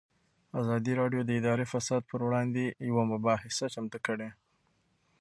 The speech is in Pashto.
ازادي راډیو د اداري فساد پر وړاندې یوه مباحثه چمتو کړې.